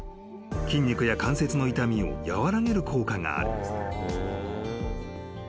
［筋肉や関節の痛みを和らげる効果がある］